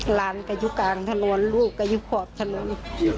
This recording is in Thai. หลานกระยุกล์กลางถนนลูกกระยุกล์ขอบถนน